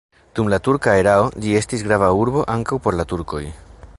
Dum la turka erao ĝi estis grava urbo ankaŭ por la turkoj.